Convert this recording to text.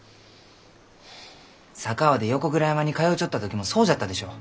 佐川で横倉山に通うちょった時もそうじゃったでしょ？